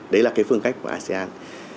đấy là cái phương cách của asean